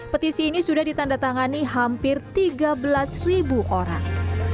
petisi ini sudah ditandatangani hampir tiga belas ribu orang